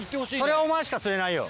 それはお前しか釣れないよ。